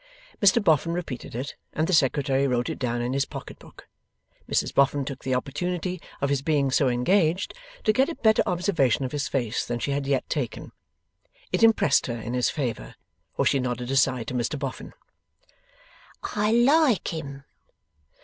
Mr Boffin repeated it, and the Secretary wrote it down in his pocket book. Mrs Boffin took the opportunity of his being so engaged, to get a better observation of his face than she had yet taken. It impressed her in his favour, for she nodded aside to Mr Boffin, 'I like him.